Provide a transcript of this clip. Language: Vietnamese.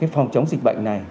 phòng chống dịch bệnh này